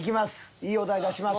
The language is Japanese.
いいお題出します。